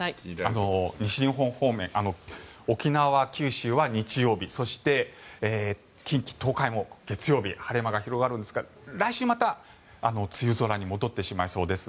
西日本方面沖縄、九州は日曜日そして、近畿、東海も月曜日、晴れ間が広がるんですが来週、また梅雨空に戻ってしまいそうです。